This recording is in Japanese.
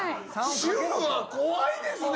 主婦は怖いですね！